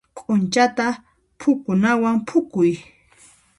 Q'unchata phukunawan phukuy.